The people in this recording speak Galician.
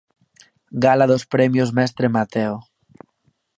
Gala dos premios Mestre Mateo.